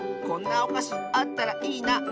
「こんなおかしあったらいいな」。